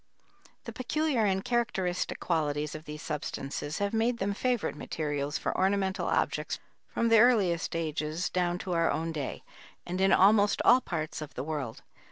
The peculiar and characteristic qualities of these substances have made them favorite materials for ornamental objects from the earliest ages down to our own day, and in almost all parts of the world.